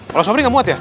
kalau sobri gak muat ya